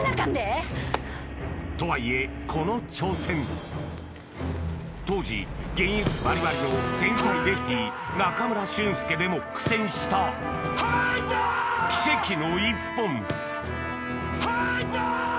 とはいえこの挑戦当時現役バリバリの天才レフティー中村俊輔でも苦戦した奇跡の１本入った！